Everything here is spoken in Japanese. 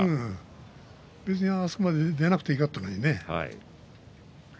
あそこまで出なくてよかったのにね。